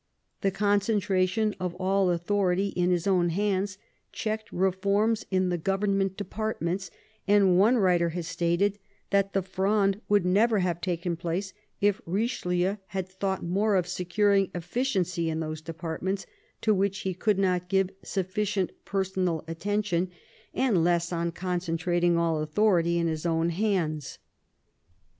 The concentration of all authority in his own hands checked reforms in the government departments, and one writer has stated that " the Fronde would never have taken place if Kichelieu had thought more of securing efficiency in those departments to which he could not give sufficient personal attention, and less on concentrating all authority in his own hands."